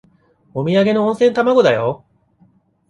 おみやげの温泉卵だよ。